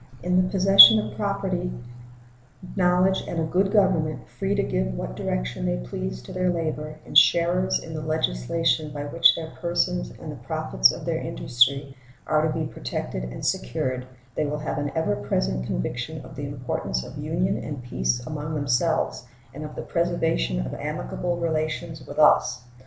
In the possession of property, knowledge, and a good government, free to give what direction they please to their labor, and sharers in the legislation by which their persons and the profits of their industry are to be protected and secured, they will have an ever present conviction of the importance of union and peace among themselves and of the preservation of amicable relations with us.